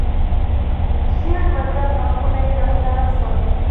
ژېړ مردار غاښونه يې راښکاره سول.